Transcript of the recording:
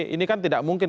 ini kan tidak mungkin